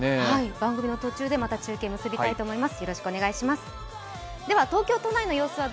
番組の途中でまた中継を結びたいと思います。